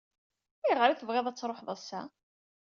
Ayɣer i tebɣiḍ ad tṛuḥeḍ ass-a?